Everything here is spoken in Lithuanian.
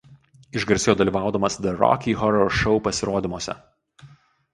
Išgarsėjo dalyvaudamas „The Rocky Horror Show“ pasirodymuose.